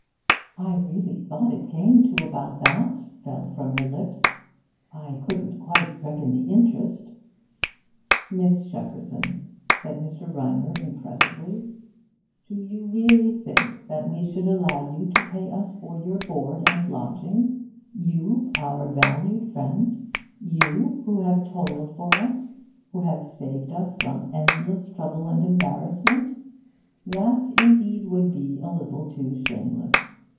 'I really thought it came to about that,' fell from her lips. 'I couldn't quite reckon the interest ' 'Miss Shepperson,' said Mr. Rymer impressively, 'do you really think that we should allow you to pay us for your board and lodging you, our valued friend you, who have toiled for us, who have saved us from endless trouble and embarrassment? That indeed would be a little too shameless.